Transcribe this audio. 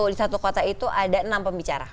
di satu kota itu ada enam pembicara